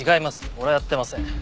俺はやってません。